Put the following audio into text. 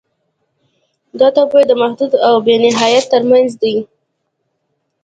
دا توپیر د محدود او بې نهایت تر منځ دی.